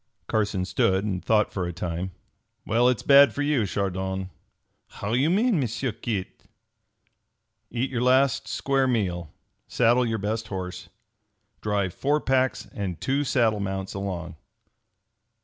Carson stood and thought for a time. "Well, its bad for you, Chardon!" "How you mean, M'sieu Kit?" "Eat your last square meal. Saddle your best horse. Drive four packs and two saddle mounts along."